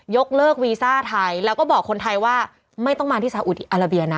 ยกเลิกวีซ่าไทยแล้วก็บอกคนไทยว่าไม่ต้องมาที่สาอุดีอาราเบียนะ